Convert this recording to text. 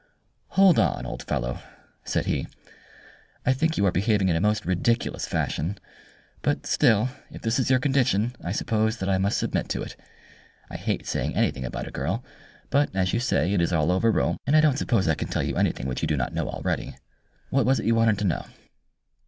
"Hold on, old fellow," said he. "I think you are behaving in a most ridiculous fashion, but still, if this is your condition, I suppose that I must submit to it. I hate saying anything about a girl, but, as you say, it is all over Rome, and I don't suppose I can tell you anything which you do not know already. What was it you wanted to know?"